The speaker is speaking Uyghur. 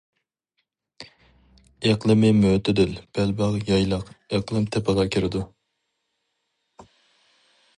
ئىقلىمى مۆتىدىل بەلباغ يايلاق ئىقلىم تىپىغا كىرىدۇ.